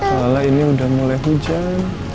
soalnya ini udah mulai hujan